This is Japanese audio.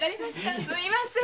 すみません。